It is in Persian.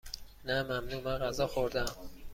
نه ممنون، من غذا خوردهام.